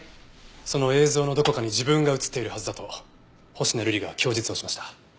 その映像のどこかに自分が映っているはずだと星名瑠璃が供述をしました。